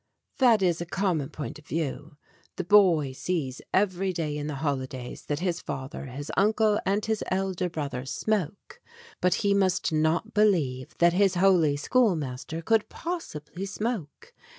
That is a common point of view; the boy sees every day in the holidays that his father, his uncle, and his elder brothers smoke, but he must not believe that his holy schoolmaster could possibly smoke.